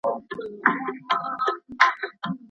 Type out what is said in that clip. انځورګر هره شپه همداسې